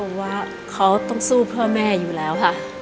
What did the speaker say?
ผมว่าเขาต้องสู้เพื่อแม่อยู่แล้ว